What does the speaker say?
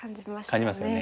感じますよね。